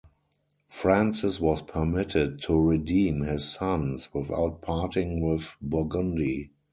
Francis was permitted to redeem his sons without parting with Burgundy.